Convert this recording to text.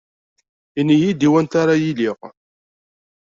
Ini-yi-d i wanta ara iliɣ